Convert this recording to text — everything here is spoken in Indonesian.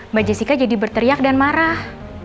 mbak jessica jadi berteriak dan marah